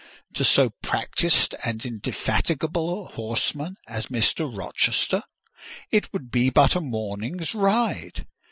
To so practised and indefatigable a horseman as Mr. Rochester, it would be but a morning's ride.